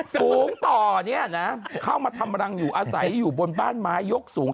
ฝูงต่อเนี่ยนะเข้ามาทำรังอยู่อาศัยอยู่บนบ้านไม้ยกสูง